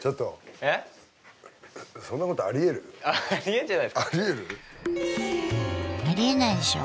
えっ？あり得ないでしょ。